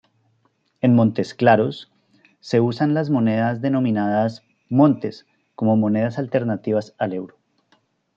En Montesclaros, se usan las monedas denominadas "montes" como monedas alternativas al euro.